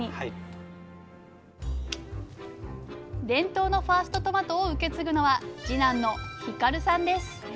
伝統のファーストトマトを受け継ぐのは次男の光琉さんです。